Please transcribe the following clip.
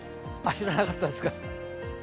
知らなかったんですか。